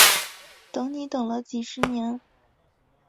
等你等了几十年